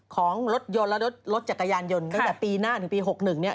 ของรถยนต์และรถจักรยานยนต์ตั้งแต่ปีหน้าถึงปี๖๑เนี่ย